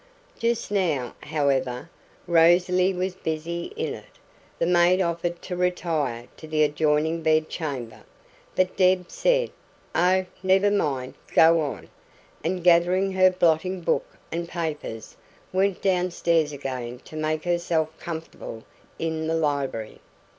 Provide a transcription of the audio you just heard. Just now, however, Rosalie was busy in it. The maid offered to retire to the adjoining bed chamber, but Deb said, "Oh, never mind; go on," and gathering her blotting book and papers, went downstairs again to make herself comfortable in the library.